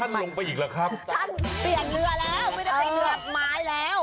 ท่านเปลี่ยนเรือแล้ว